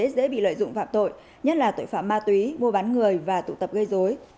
dễ bị lợi dụng phạm tội nhất là tội phạm ma túy mua bán người và tụ tập gây dối